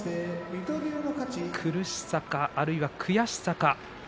苦しさか、あるいは悔しさか。